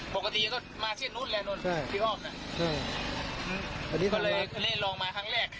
ปกติก็มาเซ็นท์นุ่นแหละนู่นก็เลยลองมาครั้งแรก